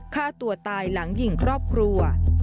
ฆ่าตัวตายหลังยิงครอบครัว